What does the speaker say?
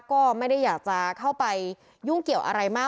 ก็ไม่ได้อยากจะเข้าไปยุ่งเกี่ยวอะไรมาก